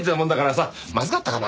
まずかったかな？